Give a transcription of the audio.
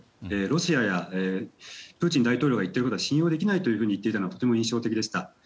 ロシアやプーチン大統領が言っていることは信用できないと言っていたのがとても印象的でした。